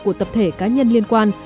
của tập thể cá nhân liên quan